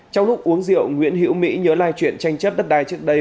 trong lúc uống rượu nguyễn hiễu mỹ nhớ lại chuyện tranh chấp đất đai trước đây